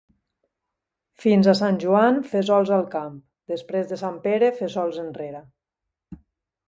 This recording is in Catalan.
Fins a Sant Joan, fesols al camp; després de Sant Pere, fesols enrere.